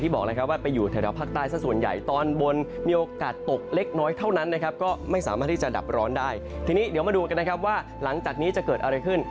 ทีนี้เดี๋ยวมาดูช่วงนี้ลองดูกันนะครับว่าลังจากนี้จะเกิดอะไรขึ้น